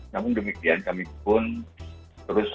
namun demikian kami pun terus